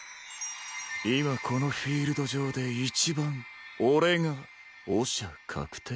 今このフィールド上で一番俺がオシャ確定。